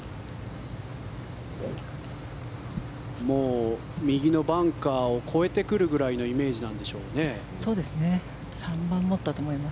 もう右のバンカーを越えてくるぐらいのイメージなんでしょうね。